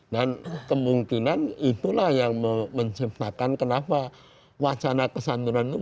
dan kemungkinan itulah yang menciptakan kenapa wacana kesantunan itu